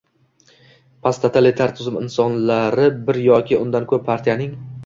Posttotalitar tuzum insonlari bir yoki undan ko‘p partiyaning